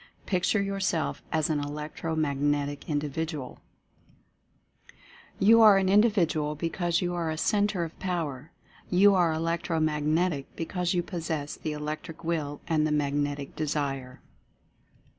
Picture yourself as an Electro Magnetic Individual You are an Individual because you are a Centre of Power. You are Elec tro Magnetic because you possess the Electric Will and the Magnetic Desire.